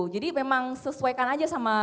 jadi memang sesuaikan aja sama